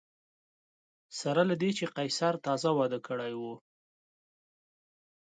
سره له دې چې قیصر تازه واده کړی و